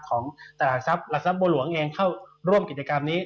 ของตลาดทรัพย์หลักทรัพย์บัวหลวงเองเข้าร่วมกิจกรรมนี้